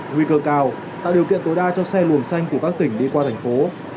nguy cơ cao tạo điều kiện tối đa cho xe luồng xanh của các tỉnh đi qua thành phố